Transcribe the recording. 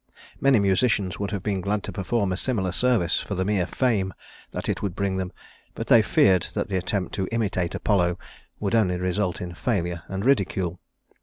Many musicians would have been glad to perform a similar service for the mere fame that it would bring them, but they feared that the attempt to imitate Apollo would only result in failure and ridicule.